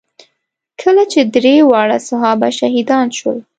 کله چې درې واړه صحابه شهیدان شول.